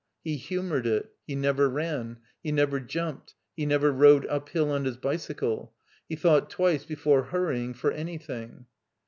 He humored it. He never ran. He never jumped. He never rode uphill on his bicycle. He thought twice before hurrying for anything.